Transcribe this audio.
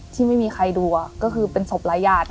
ที่ไม่มีใครดูก็คือเป็นศพรายญาติ